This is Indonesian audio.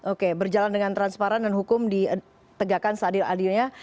oke berjalan dengan transparan dan hukum ditegakkan seadil adilnya